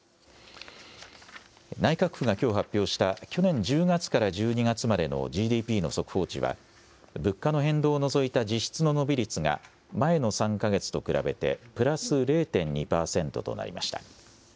内閣府がきょう発表した、去年１０月から１２月までのＧＤＰの速報値は、物価の変動を除いた実質の伸び率が前の３か月と比べてプラス０．２％となりました。